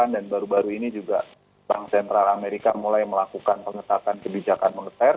dan baru baru ini juga bank sentral amerika mulai melakukan pengetatan kebijakan moneter